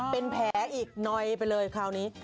เป็นแผลอีกหน่อยไปเลยคราวนี้